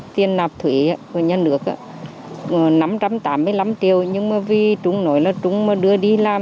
tiền nạp thủy của nhà nước năm trăm tám mươi năm triệu nhưng mà vì chúng nói là trung mà đưa đi làm